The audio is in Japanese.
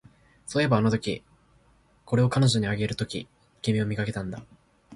そういえば、あのとき、これを彼女にあげるとき、君を見かけたんだ